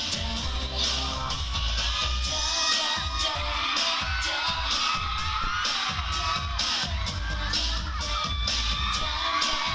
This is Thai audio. พูดอีกทีพูดอีกทีพูดอีกทีได้หรือเปล่า